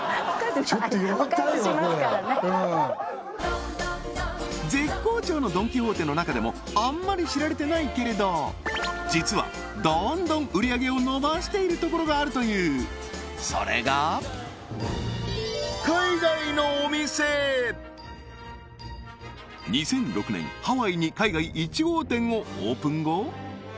ちょっと読みたいわこれ絶好調のドン・キホーテの中でもあんまり知られてないけれど実はどんどん売上げを伸ばしているところがあるというそれが２００６年ハワイに海外１号店をオープン後